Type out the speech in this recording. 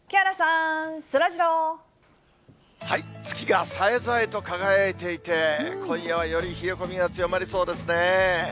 月がさえざえと輝いていて、今夜はより冷え込みが強まりそうですね。